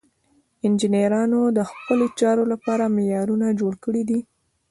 انجینرانو د خپلو چارو لپاره معیارونه جوړ کړي دي.